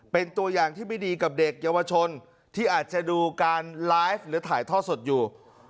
เป็นตัวอย่างที่ไม่ดีกับเด็กเยาวชนที่อาจจะดูการไลฟ์หรือถ่ายทอดสดอยู่